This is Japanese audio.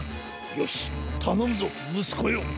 よしたのむぞむすこよ！